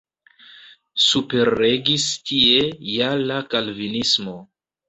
Superregis tie ja la Kalvinismo.